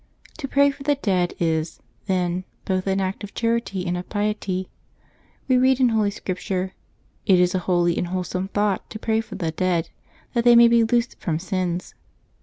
To pray for the dead is, then, both an act of charity and of piety. We read in Holy Scripture :" It is a holy and wholesome thought to pray for the dead, that they may be loosed from sins."